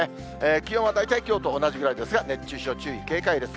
気温は大体きょうと同じぐらいですが、熱中症注意、警戒です。